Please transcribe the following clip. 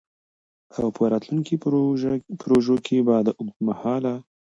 او په راتلونکو پروژو کي به د اوږدمهاله